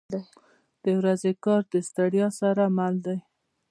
• د ورځې کار د ستړیا سره مل دی.